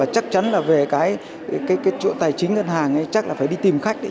thế cái chỗ tài chính ngân hàng chắc là phải đi tìm khách đấy